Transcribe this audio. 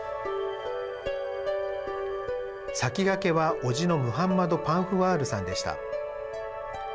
先駆けは、おじのムハンマド・パンフワールさんでした。